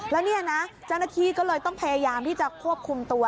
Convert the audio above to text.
แล้วเนี่ยนะเจ้าหน้าที่ก็เลยต้องพยายามที่จะควบคุมตัว